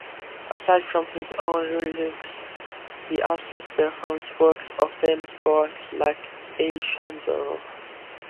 Aside from his own lyrics, he also performs works of famous poets like Eichendorff.